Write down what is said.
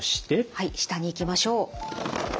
はい下に行きましょう。